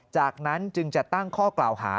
จากนั้นจึงจะตั้งข้อกล่าวหา